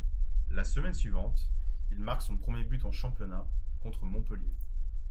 La semaine suivante, il marque son premier but en championnat, contre Montpellier.